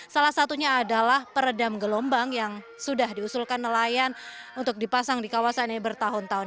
salah satunya adalah peredam gelombang yang sudah diusulkan nelayan untuk dipasang di kawasan ini bertahun tahun